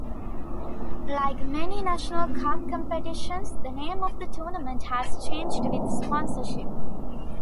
Like many national cup competitions, the name of the tournament has changed with sponsorship.